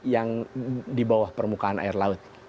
yang di bawah permukaan air laut